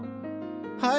はい！